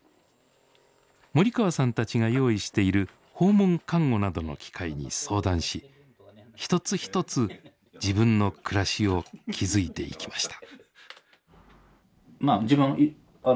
森川さんたちが用意している訪問看護などの機会に相談し一つ一つ自分の暮らしを築いていきました。